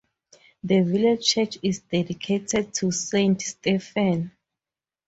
The village church is dedicated to Saint Stephen.